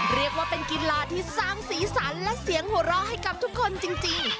เรียกว่าเป็นกีฬาที่สร้างสีสันและเสียงหัวเราะให้กับทุกคนจริง